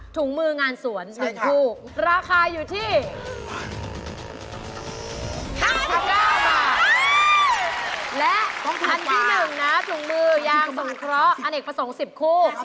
ถุงมืองานสวน๑คู่ราคาอยู่ที่๕๙บาทและของอันที่๑นะถุงมือยางสงเคราะห์อเนกประสงค์๑๐คู่